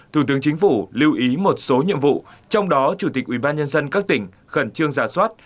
thủ tướng chính phủ lưu ý một số nhiệm vụ trong đó chủ tịch ủy ban nhân dân các tỉnh khẩn trương ra soát